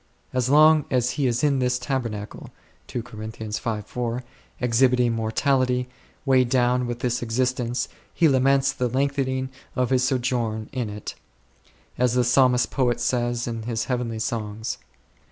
As long as he is " in this tabernacle4," exhibiting mortality, weighed down with this existence, he laments the lengthening of his sojourn in it ; as the Psalmist poet says in his heavenly songs.